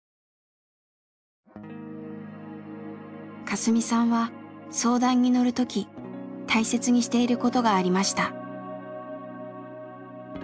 カスミさんは相談に乗る時大切にしていることがありました。